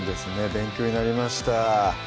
勉強になりました